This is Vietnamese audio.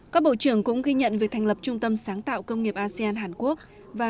các bộ trưởng cũng ghi nhận việc thành lập trung tâm sáng tạo công nghiệp asean hàn quốc và